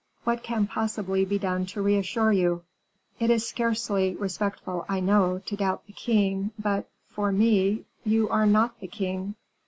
"What can possibly be done to reassure you?" "It is scarcely respectful, I know, to doubt the king, but for me you are not the king."